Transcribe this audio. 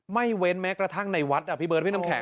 เว้นแม้กระทั่งในวัดอ่ะพี่เบิร์ดพี่น้ำแข